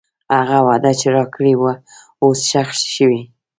هغه وعده چې راکړې وه، اوس ښخ شوې.